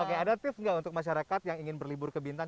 oke ada tips nggak untuk masyarakat yang ingin berlibur ke bintang